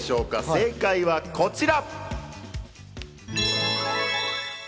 正解はこちら。